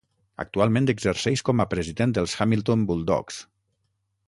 Actualment exerceix com a president dels Hamilton Bulldogs.